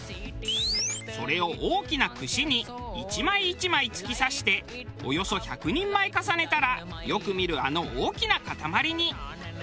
それを大きな串に１枚１枚突き刺しておよそ１００人前重ねたらよく見るあの大きな塊に。